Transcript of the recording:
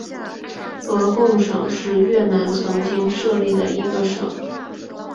鹅贡省是越南曾经设立的一个省。